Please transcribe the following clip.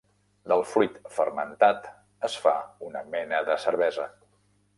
Del fruit fermentat es fa una mena de cervesa.